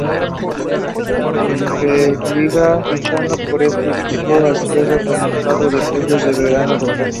Bundesliga, fichando por este equipo al cierre del mercado de pases del verano europeo.